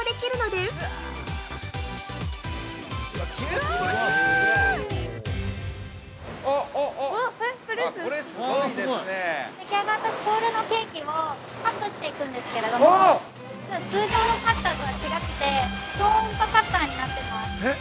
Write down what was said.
◆でき上がったホールのケーキをカットしていくんですけれども実は、通常のカッターとは違って超音波カッターになってます。